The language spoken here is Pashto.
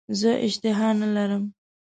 زه اشتها نه لرم .